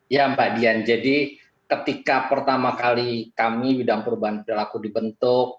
ya mbak dian jadi ketika pertama kali kami bidang perubahan perilaku dibentuk